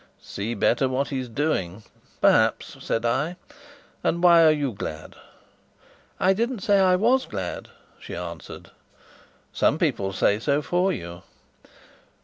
"See better what he's doing? Perhaps," said I. "And why are you glad?" "I didn't say I was glad," she answered. "Some people say so for you."